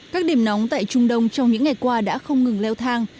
các điểm nóng tại trung đông trong những ngày qua đã không ngừng leo thang